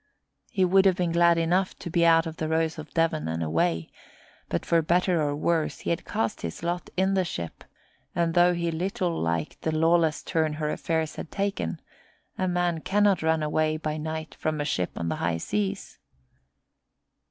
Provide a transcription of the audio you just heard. He would have been glad enough to be out of the Rose of Devon and away, but for better or worse he had cast his lot in the ship, and though he little liked the lawless turn her affairs had taken, a man cannot run away by night from a ship on the high seas.